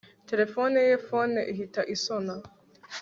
telefoni ye phone ihita isona